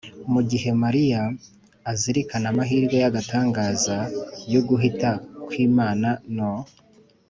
mu gihe mariya azirikana amahirwe y’agatangaza y’uguhita kw’imana no